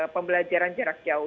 pembelajaran jarak jauh